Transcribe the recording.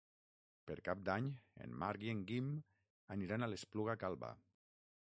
Per Cap d'Any en Marc i en Guim aniran a l'Espluga Calba.